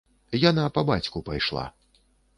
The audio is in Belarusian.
Яна па бацьку пайшла.